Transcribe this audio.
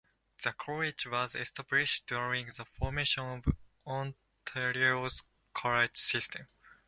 The college was established during the formation of Ontario's college system.